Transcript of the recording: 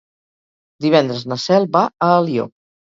Divendres na Cel va a Alió.